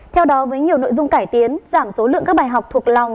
theo đó với nhiều nội dung cải tiến giảm số lượng các bài học thuộc lòng